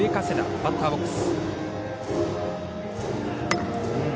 バッターボックス。